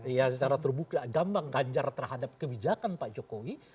iya secara terbuka gamblang ganjar terhadap kebijakan pak jokowi